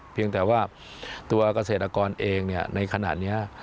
เพียงแต่ว่าตัวเกษตรกรเองในขณะนี้